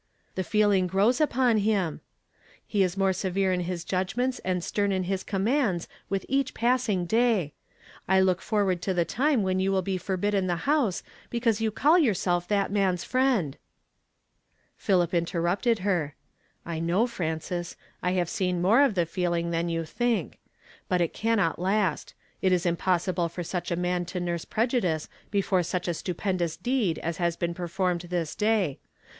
The feeling grows upon him. He is more severe in his judgments and stern in his commands with each passing day. I look forward to the time when you will be forbid den the house because you call yourself that man's friend." Philip interrupted her. "I know, Frances; I have seen more of tlie feeling than you think ; but it cannot last ; it is impossible for such a man to nurse prejudice before such a stupendous deed as lias been performed this day.